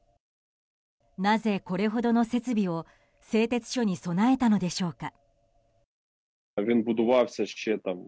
なぜ、これほどの設備を製鉄所に備えたのでしょうか。